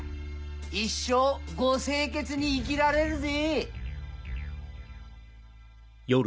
一生ご清潔に生きられるぜ！